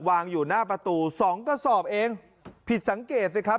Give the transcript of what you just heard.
วางอยู่หน้าประตูสองกระสอบเองผิดสังเกตสิครับ